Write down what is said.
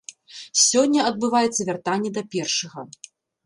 Сёння адбываецца вяртанне да першага.